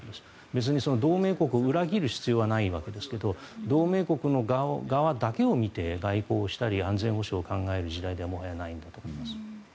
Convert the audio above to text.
別に同盟国を裏切る必要はないわけですけど同盟国の側だけを見て外交をしたり安全保障を考える時代ではもはやないんだと思います。